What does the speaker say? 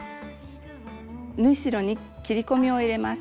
縫い代に切り込みを入れます。